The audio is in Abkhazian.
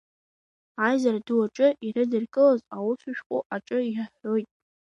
Аизара Ду аҿы ирыдыркылаз аусшәҟәы аҿы иаҳәоит…